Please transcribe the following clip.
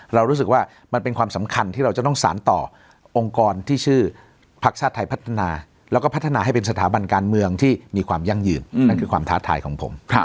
เรารู้สึกว่ามันเป็นความสำคัญที่เราจะต้องสารต่อองค์กรที่ชื่อพักชาติไทยพัฒนาแล้วก็พัฒนาให้เป็นสถาบันการเมืองที่มีความยั่งยืนนั่นคือความท้าทายของผม